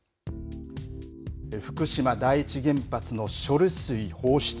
福島第一原発の処理水放出。